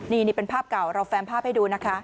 นี่เป็นภาพเก่าเราแฟมภาพให้ดูนะคะ